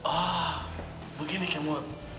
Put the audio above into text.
ah begini kemur